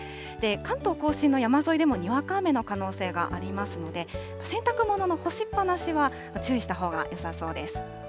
関東甲信の山沿いでもにわか雨の可能性がありますので、洗濯物の干しっぱなしは、注意したほうがよさそうです。